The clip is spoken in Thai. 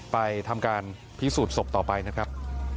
ไปทำการพิสูจน์ศพต่อไปนะครับ